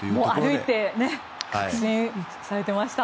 歩いて確信されてました。